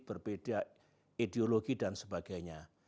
berbeda ideologi dan sebagainya